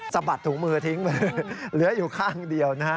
สะบัดถุงมือทิ้งไปเลยเหลืออยู่ข้างเดียวนะฮะ